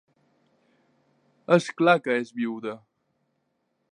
És clar que és vídua!